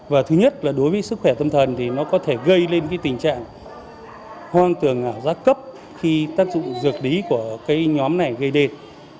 và thứ nhất là đối với sức khỏe tâm thần thì nó có thể gây lên cái tình trạng hoang tường giác cấp khi tác dụng dược lý của cái nhóm này gây nên